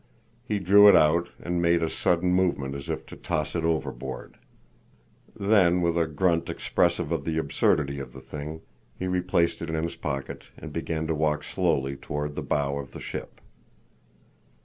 He drew it out and made a sudden movement as if to toss it overboard. Then, with a grunt expressive of the absurdity of the thing, he replaced it in his pocket and began to walk slowly toward the bow of the ship.